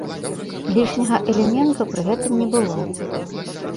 Лішняга элементу пры гэтым не было.